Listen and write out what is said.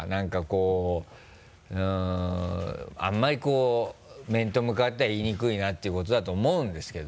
うんあんまりこう面と向かっては言いにくいなっていうことだと思うんですけど。